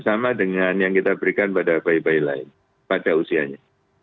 sama dengan yang kita berikan pada bayi bayi lain pada usianya